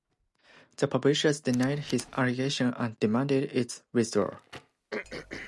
The publishers denied his allegation and demanded its withdrawal.